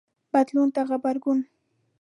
بدلون ته غبرګون